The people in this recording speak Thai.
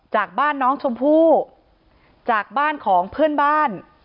จากบ้านน้องชมพู่จากบ้านของเพื่อนบ้าน